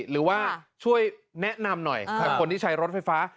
หรือว่าช่วยแนะนำหน่อยคนที่ใช้รถไฟฟ้า